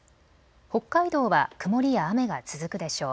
北海道は曇りや雨が続くでしょう。